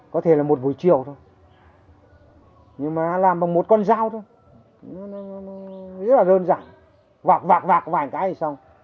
có thể là một buổi chiều thôi nhưng mà làm bằng một con dao thôi rất là đơn giản vạc vạc vạc vài cái thì xong